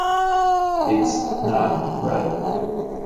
It's not right.